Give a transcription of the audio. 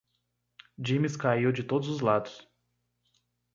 Dimes caiu de todos os lados.